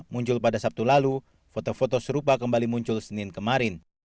muncul pada sabtu lalu foto foto serupa kembali muncul senin kemarin